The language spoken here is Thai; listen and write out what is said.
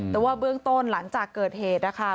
แต่ว่าเบื้องต้นหลังจากเกิดเหตุนะคะ